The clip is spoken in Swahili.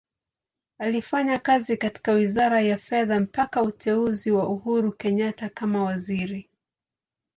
Alifanya kazi katika Wizara ya Fedha mpaka uteuzi wa Uhuru Kenyatta kama Waziri.